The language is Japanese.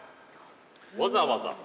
◆わざわざ？